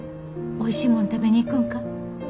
おいしいもん食べに行くんか？